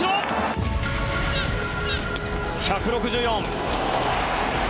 １６４！